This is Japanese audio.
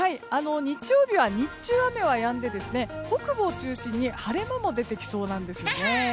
日曜日は日中、雨はやんで北部を中心に晴れ間も出てきそうなんです。